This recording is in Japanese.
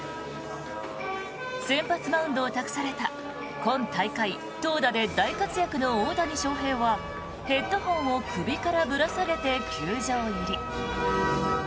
先発マウンドを託された今大会、投打で大活躍の大谷翔平はヘッドホンを首からぶら下げて球場入り。